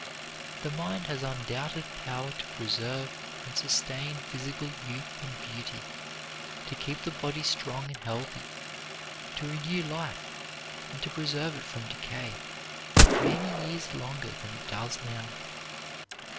The mind has undoubted power to preserve and sustain physical youth and beauty, to keep the body strong and healthy, to renew life, and to preserve it from decay, many years longer than it does now.